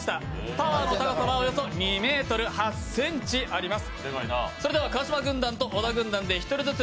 タワーの高さはおよそ２ｍ８ｃｍあります。